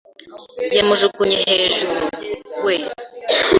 yamujugunye hejuru. We